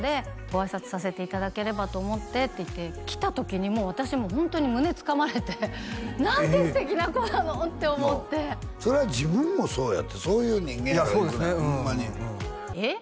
「ごあいさつさせていただければと思って」って言って来た時にもう私ホントに胸つかまれてなんて素敵な子なの！って思ってそれは自分もそうやってそういう人間やから行くねんホンマにえっ？